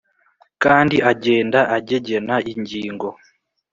kandi agenda agegena ingingo